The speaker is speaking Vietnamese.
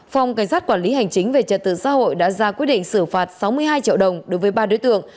phòng cảnh sát quản lý hành chính về trật tự xã hội đã ra quyết định xử phạt sáu mươi hai triệu đồng đối với ba đối tượng